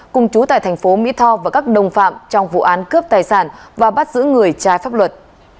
cùng chú tại thành phố mỹ tho và các đồng phạm trong vụ án cướp tài sản và bắt giữ người trái pháp luật